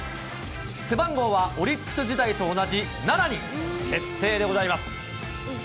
背番号はオリックス時代と同じ７に決定でございます。